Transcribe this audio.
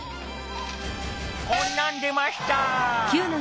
こんなん出ました。